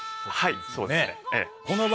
はいそうですね。